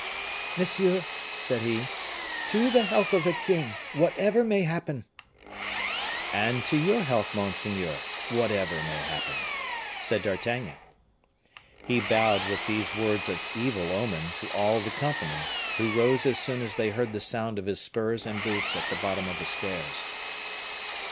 "Monsieur," said he, "to the health of the king, whatever may happen." "And to your health, monseigneur, whatever may happen," said D'Artagnan. He bowed, with these words of evil omen, to all the company, who rose as soon as they heard the sound of his spurs and boots at the bottom of the stairs.